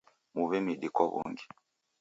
Muw'e midi kwa w'ungi.